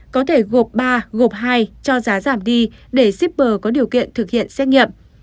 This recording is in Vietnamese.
có thể gộp ba gộp hai cho giá giảm đi để shipper có điều kiện thực hiện xét nghiệm